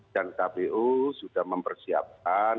dan kpu sudah mempersiapkan